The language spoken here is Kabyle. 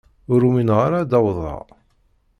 Ur umineɣ ara ad d-awḍeɣ.